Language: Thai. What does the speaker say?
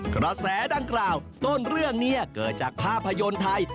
กระแสดังกล่าวต้นเรื่องนี้เกิดจากภาพยนตร์ไทย